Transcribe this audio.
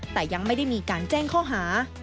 แต่ยังไม่ได้มีการแจ้งข้อหา